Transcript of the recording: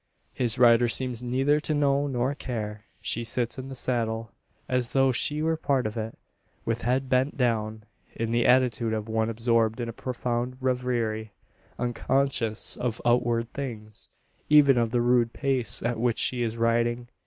His rider seems neither to know nor care. She sits in the saddle, as though she were part of it; with head bent down, in the attitude of one absorbed in a profound reverie, unconscious of outward things even of the rude pace at which she is riding!